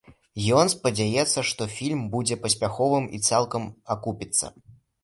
Ён спадзяецца, што фільм будзе паспяховым і цалкам акупіцца.